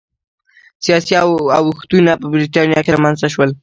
سیاسي اوښتونونه په برېټانیا کې رامنځته شول